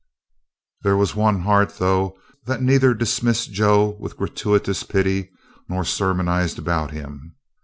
There was one heart, though, that neither dismissed Joe with gratuitous pity nor sermonised about him.